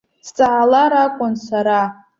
Сҵаалар акәын сара.